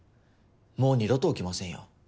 もう二度と起きませんよ。